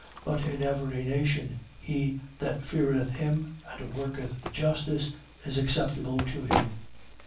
10:35. But in every nation, he that feareth him and worketh justice is acceptable to him.